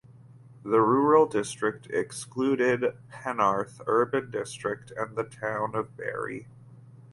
The rural district excluded Penarth Urban District and the town of Barry.